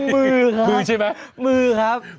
มือครับมือใช่ไหมมือครับ